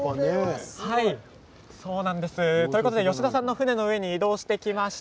ということで吉田さんの船の上に移動してきました。